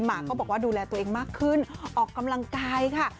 หมาก็บอกว่าดูแลตัวเองมากขึ้นออกกำลังกายค่ะ